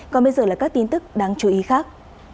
còn bây giờ là các tin tức đáng chú ý khác